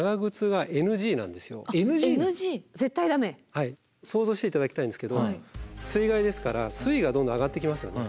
はい想像して頂きたいんですけど水害ですから水位がどんどん上がってきますよね。